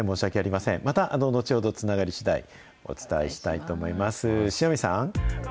また後ほどつながりしだい、お伝えしたいと思います。